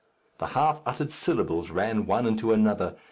The half uttered syllables ran one into another.